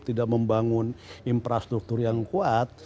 tidak membangun infrastruktur yang kuat